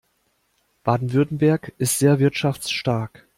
Baden-Württemberg ist sehr wirtschaftsstark.